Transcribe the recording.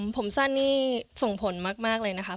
ผมสั้นนี่ส่งผลมากเลยนะคะ